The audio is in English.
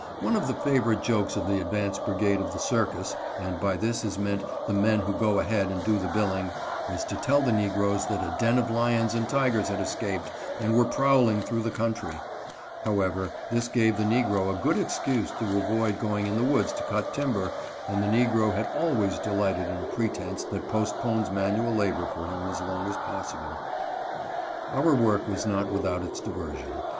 One of the favorite jokes of the advance brigade of the circus, and by this is meant the men who go ahead and do the billing, was to tell the negroes that a den of lions and tigers had escaped, and were prowling through the country. However, this gave the negro a good excuse to avoid going in the woods to cut timber, and the negro has always delighted in a pretense that postpones manual labor for him as long as possible. Our work was not without its diversion.